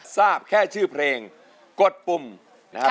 ทราบแค่ชื่อเพลงกดปุ่มนะครับ